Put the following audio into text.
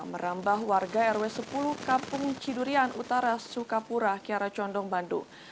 merambah warga rw sepuluh kampung cidurian utara sukapura kiara condong bandung